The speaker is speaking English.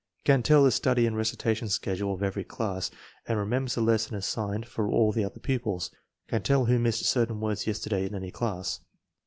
Can tell the study and recitation schedule of every class, and remembers the lesson assignment for all the other pupils; can tell who missed certain words yesterday in any class."